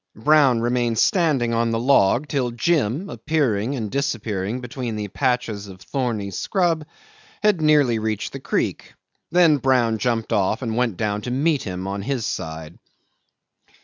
Brown remained standing on the log till Jim, appearing and disappearing between the patches of thorny scrub, had nearly reached the creek; then Brown jumped off and went down to meet him on his side.